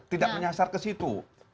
tidak menyasar ke situ